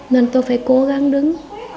nên tôi phải cố gắng đứng